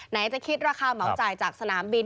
จะคิดราคาเหมาจ่ายจากสนามบิน